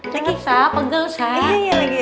jangan sah pegel sah